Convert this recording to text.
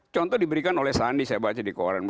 contoh diberikan oleh sandi saya baca di koran